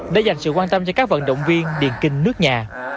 đã dành sự quan tâm cho các vận động viên điền kinh nước nhà